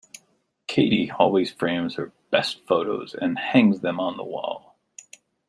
Katie always frames her best photos, and hangs them on the wall.